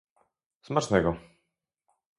Smacznego